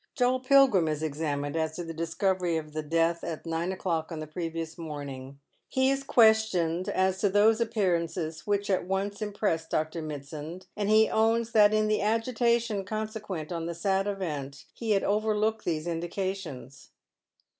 Joel Pilgrim is examined as to the discovery of the death at nine o'clock on the previous morning. He is questioned as to those appearances which at once impressed Dr. Mitsand, and he 808 Dead Men's Shoes. owns that in tlie agitation consequent on the sad event he had overlooked these indications.